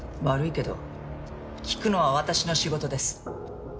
悪いけど聴くのは私の仕事です。